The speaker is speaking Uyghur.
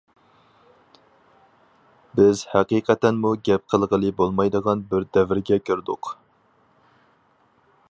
بىز ھەقىقەتەنمۇ گەپ قىلغىلى بولمايدىغان بىر دەۋرگە كىردۇق.